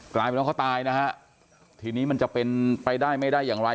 กลายเป็นว่าเขาตายนะฮะทีนี้มันจะเป็นไปได้ไม่ได้อย่างไร